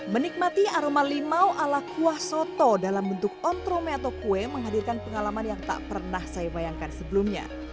menikmati aroma limau ala kuah soto dalam bentuk ontrome atau kue menghadirkan pengalaman yang tak pernah saya bayangkan sebelumnya